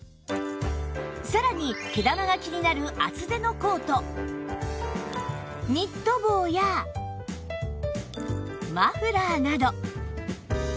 さらに毛玉が気になる厚手のコートニット帽やマフラーなど